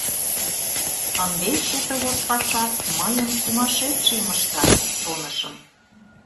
Ынде счетовод паша мыйым сумашедшийым ышта, шонышым...